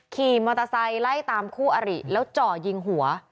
ขี่มอเตอร์ไซค์ไล่ตามคู่อริแล้วจ่อยิงหัว